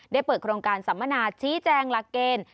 ได้เปิดโครงการสัมมนาชี้แจงหลักเกณฑ์